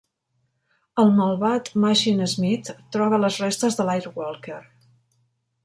El malvat Machinesmith troba les restes de l'Air-Walker.